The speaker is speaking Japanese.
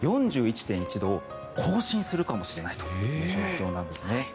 ４１．１度を更新するかもしれないという状況なんですね。